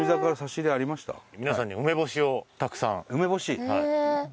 皆さんに梅干しをたくさん。